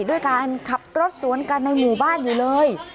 ด้วยการขับรถสวนกันในหมู่บ้านอยู่เลย